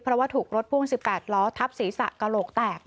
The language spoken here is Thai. เพราะว่าถูกรถพ่วง๑๘ล้อทับศีรษะกระโหลกแตก